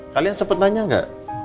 kalian sempat tanya nggak